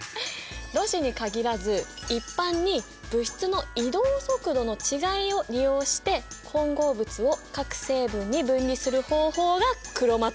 ろ紙に限らず一般に物質の移動速度の違いを利用して混合物を各成分に分離する方法がクロマトグラフィーなんだよ。